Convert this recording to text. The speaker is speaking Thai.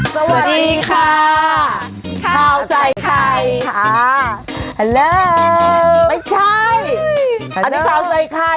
สวัสดีค่ะข้าวใส่ไข่ค่ะเห็นเลยไม่ใช่อันนี้ข่าวใส่ไข่